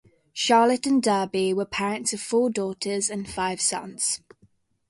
Charlotte and Derby were parents of four daughters and five sons.